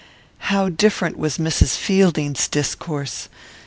How different was Mrs. Fielding's discourse!